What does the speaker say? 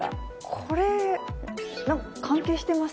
これ、なんか関係してます？